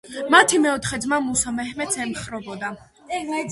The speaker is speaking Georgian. მათი მეოთხე ძმა, მუსა მეჰმედს ემხრობოდა.